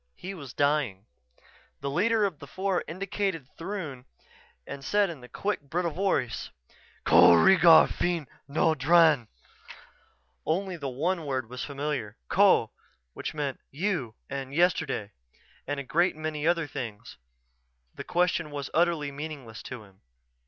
He was dying. The leader of the four indicated Throon and said in a quick, brittle voice: "Ko reegar feen no dran!" Only one word was familiar: Ko, which meant "you" and "yesterday" and a great many other things. The question was utterly meaningless to him.